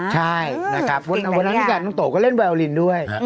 ใช่นะครับวันนั้นเนี่ยน้องโตก็เล่นไวรินด้วย